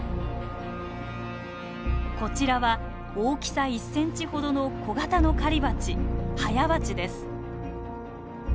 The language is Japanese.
こちらは大きさ１センチほどの小型の狩りバチハヤバチです。